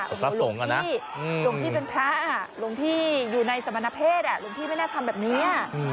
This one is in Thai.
หลวงพ่อหลวงพี่เป็นพระหลวงพี่อยู่ในสมณเพศหลวงพี่ไม่น่าทำแบบนี้